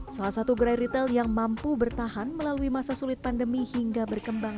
salah satu gerai retail yang mampu bertahan melalui masa sulit pandemi hingga berkembang